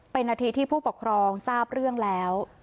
เป็นนาทีที่ผู้ปกครองทราบเรื่องแล้ว